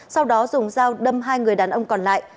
sau đó dùng dao đâm hai người đàn ông còn lại